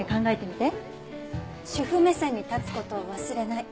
主婦目線に立つ事を忘れない。